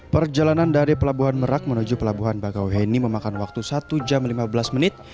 perjalanan dari pelabuhan merak menuju pelabuhan bakauheni memakan waktu satu jam lima belas menit